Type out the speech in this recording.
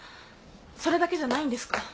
それだけじゃないんですか？